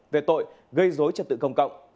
về tội gây dối trật tự công cộng